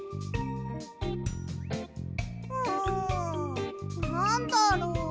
んなんだろう？